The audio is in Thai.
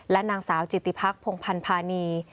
และนางสาวจิติพรรคพงภัณฑ์พาณี